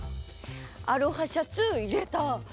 アロハシャツいれた。